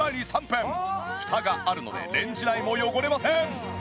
フタがあるのでレンジ内も汚れません！